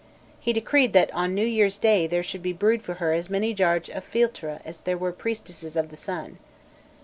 He decreed that "on New Year's Day there should be brewed for her as many jars of philtre as there were priestesses of the sun.